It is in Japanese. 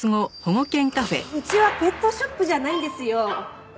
うちはペットショップじゃないんですよ。